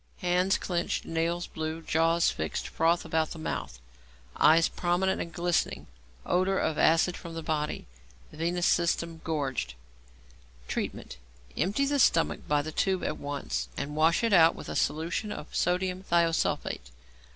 Hands clenched, nails blue, jaws fixed, froth about mouth. Eyes prominent and glistening, odour of acid from body, venous system gorged. Treatment. Empty the stomach by the tube at once, and wash it out with a solution of sodium thiosulphate.